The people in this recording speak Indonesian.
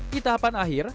di tahapan akhir